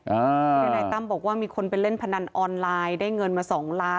ทนายตั้มบอกว่ามีคนไปเล่นพนันออนไลน์ได้เงินมา๒ล้าน